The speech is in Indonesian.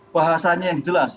bahasanya yang jelas